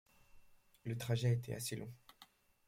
Le trajet était assez long.